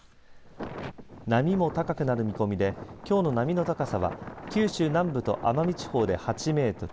波も高くなる見込みできょうの波の高さは、九州南部と奄美地方で８メートル